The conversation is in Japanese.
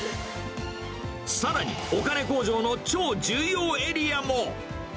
さらに、お金工場の超重要エリアも。